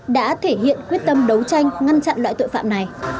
đã thể hiện quyết tâm đấu tranh ngăn chặn loại tội phạm này